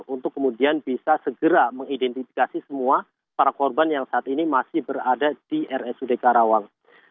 untuk kemudian bisa segera mengidentifikasi semua para korban yang saat ini masih berada di rsud karawang